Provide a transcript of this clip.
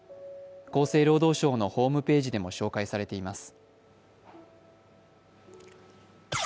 厚生労働省のホームページでも紹介されています。